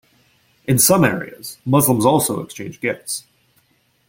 In some areas Muslims also exchange gifts.